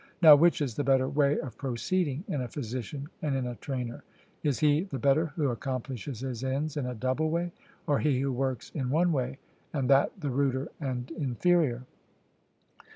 Now which is the better way of proceeding in a physician and in a trainer? Is he the better who accomplishes his ends in a double way, or he who works in one way, and that the ruder and inferior?